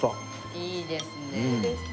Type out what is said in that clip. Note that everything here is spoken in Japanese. いいですね。